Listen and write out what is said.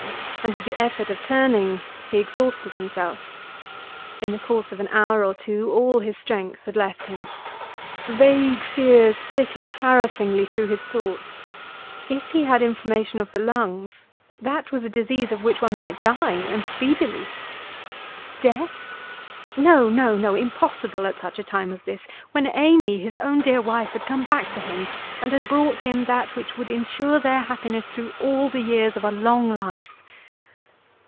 And with the effort of turning he exhausted himself; in the course of an hour or two all his strength had left him. Vague fears flitted harassingly through his thoughts. If he had inflammation of the lungs that was a disease of which one might die, and speedily. Death? No, no, no; impossible at such a time as this, when Amy, his own dear wife, had come back to him, and had brought him that which would insure their happiness through all the years of a long life.